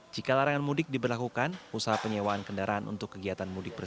jika larangan mudik diberlakukan usaha penyewaan kendaraan untuk kegiatan mudik bersih